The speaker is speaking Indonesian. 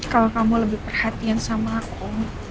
kalau kamu lebih perhatian sama aku